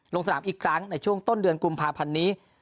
ลงสนามอีกครั้งในช่วงต้นเดือนกุมภาพันธ์นี้